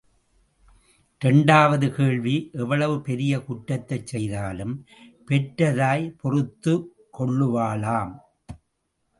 இரண்டாவது கேள்வி எவ்வளவு பெரிய குற்றத்தைச் செய்தாலும் பெற்ற தாய் பொறுத்துக் கொள்ளுவாளாம்.